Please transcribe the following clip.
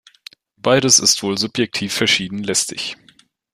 Beides ist wohl subjektiv verschieden lästig.